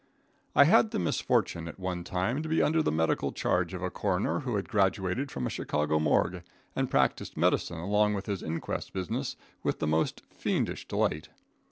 I had the misfortune at one time to be under the medical charge of a coroner who had graduated from a Chicago morgue and practiced medicine along with his inquest business with the most fiendish delight.